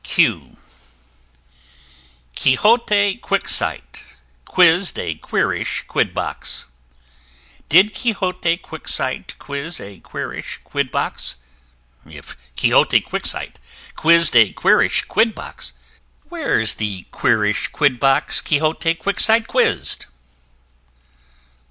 Q q [Illustration: Quixote Quicksight] Quixote Quicksight quiz'd a queerish Quidbox: Did Quixote Quicksight quiz a queerish Quidbox? If Quixote Quicksight quiz'd a queerish Quidbox, Where's the queerish Quidbox Quixote Quicksight quiz'd?